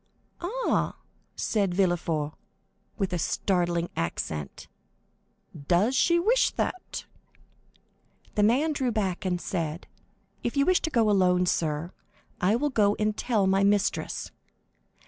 "Ah," said Villefort, with a startling accent; "does she wish that?" The servant drew back and said, "If you wish to go alone, sir, I will go and tell my mistress."